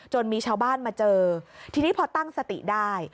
มีชาวบ้านมาเจอทีนี้พอตั้งสติได้